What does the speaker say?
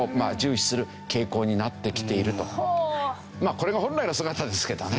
これが本来の姿ですけどね。